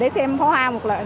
để xem phóng hoa